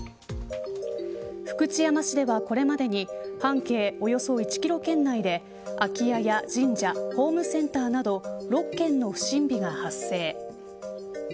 福知山市では、これまでに半径およそ１キロ圏内で空き家や神社ホームセンターなど６件の不審火が発生。